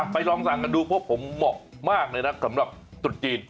ลองสั่งกันดูเพราะผมเหมาะมากเลยนะสำหรับตรุษจีน